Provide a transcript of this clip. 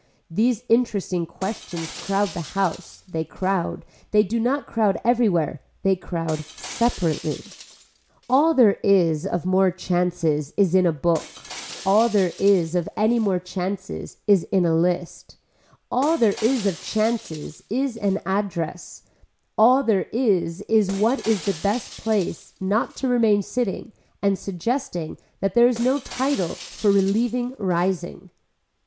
These interesting questions crowd the house, they crowd, they do not crowd everywhere. They crowd separately. All there is of more chances is in a book, all there is of any more chances is in a list, all there is of chances is in an address, all there is is what is the best place not to remain sitting and suggesting that there is no title for relieving rising.